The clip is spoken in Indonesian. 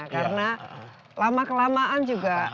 karena lama kelamaan juga